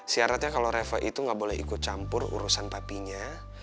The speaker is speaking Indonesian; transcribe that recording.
syaratnya kalau revo itu nggak boleh ikut campur urusan papinya